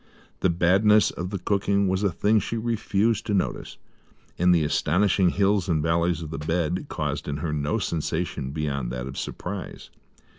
The badness of the cooking was a thing she refused to notice; and the astonishing hills and valleys of the bed caused in her no sensation beyond that of surprise.